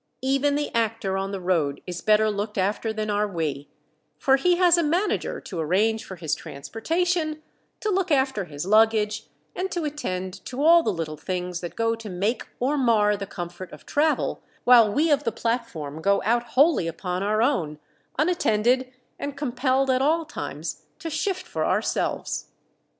Even the actor on the road is better looked after than are we; for he has a manager to arrange for his transportation, to look after his luggage, and to attend to all the little things that go to make or mar the comfort of travel while we of the platform go out wholly upon our own, unattended, and compelled at all times to shift for ourselves.